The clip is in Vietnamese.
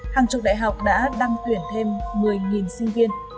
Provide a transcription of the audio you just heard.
hàng chục đại học đã đăng tuyển thêm một mươi sinh viên